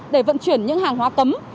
để vận chuyển những hàng hóa cấm